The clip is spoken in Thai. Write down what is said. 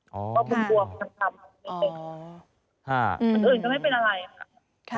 ก็บุ๋มบวมมันช้ำอ๋ออ่าอืมอื่นอื่นก็ไม่เป็นอะไรค่ะค่ะ